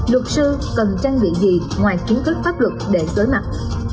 luật sư cần trang bị gì ngoài kiến thức pháp luật để đối mặt